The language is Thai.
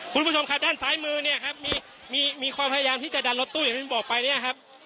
คุณผู้ชมครับด้านซ้ายมือเนี่ยครับมีความพยายามที่จะดันรถตู้อย่างที่บอกไปเนี่ยครับ